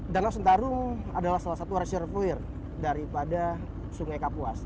danau sentarung adalah salah satu reservoir daripada sungai kapuas